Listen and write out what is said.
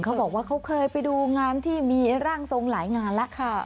เขาบอกว่าเขาเคยไปดูงานที่มีร่างทรงหลายงานแล้วค่ะ